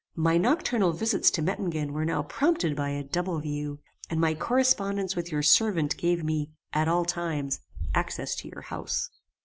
My nocturnal visits to Mettingen were now prompted by a double view, and my correspondence with your servant gave me, at all times, access to your house.